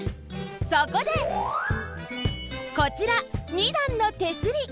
そこでこちら二段の手すり！